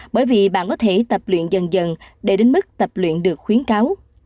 bởi vì bạn có thể tập luyện dần dần để đến mức tập luyện được khuyến cáo